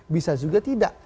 bisa juga tidak